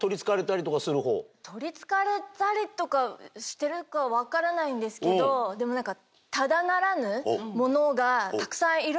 取り憑かれたりとかしてるか分からないんですけどでも何か。